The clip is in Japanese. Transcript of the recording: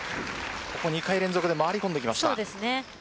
ここ２回連続で回り込んできました。